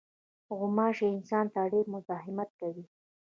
غوماشې انسان ته ډېر مزاحمت کوي.